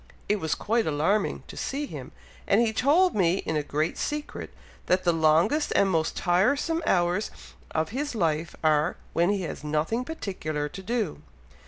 it was quite alarming to see him, and he told me in a great secret, that the longest and most tiresome hours of his life are, when he has nothing particular to do."